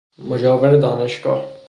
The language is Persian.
مجاور دانشگاه